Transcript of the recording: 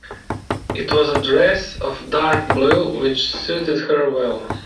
It was a dress of dark blue which suited her well.